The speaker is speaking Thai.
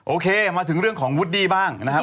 โอเคมาถึงเรื่องของวูดดี้บ้างนะครับ